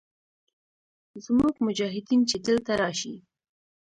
زموږ مجاهدین چې دلته راشي.